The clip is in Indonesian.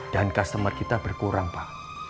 dan customer kita berkurang pak